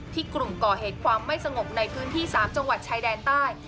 กลุ่มก่อเหตุความไม่สงบในพื้นที่๓จังหวัดชายแดนใต้